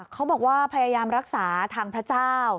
เขาบอกว่าพยายามรักษาทางพระเจ้า